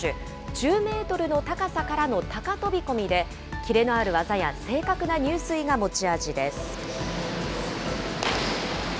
１０メートルの高さからの高飛び込みで、きれのある技や正確な入水が持ち味です。